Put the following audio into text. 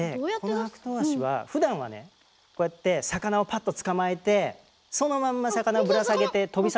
このハクトウワシはふだんはねこうやって魚をパッと捕まえてそのまんま魚ぶら下げてほんとだ魚！